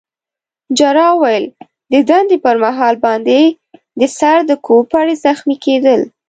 جراح وویل: د دندې پر مهال باندي د سر د کوپړۍ زخمي کېدل.